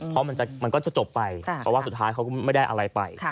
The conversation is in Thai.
เพราะมันก็จะจบไปเพราะว่าสุดท้ายเขาก็ไม่ได้อะไรไป